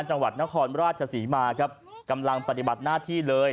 จังหวัดนครราชศรีมาครับกำลังปฏิบัติหน้าที่เลย